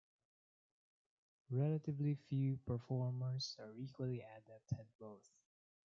Relatively few performers are equally adept at both.